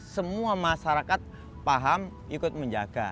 semua masyarakat paham ikut menjaga